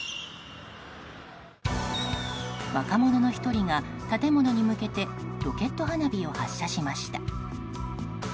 若者の１人が建物に向けてロケット花火を発射しました。